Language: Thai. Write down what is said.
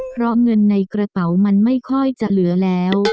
เพราะเงินในกระเป๋ามันไม่ค่อยจะเหลือแล้ว